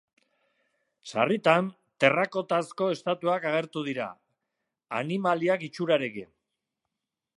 Sarritan, terrakotazko estatuak agertu dira, animaliak itxurarekin.